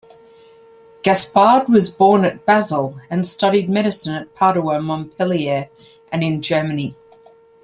Gaspard was born at Basel and studied medicine at Padua, Montpellier, and in Germany.